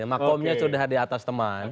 makomnya sudah di atas teman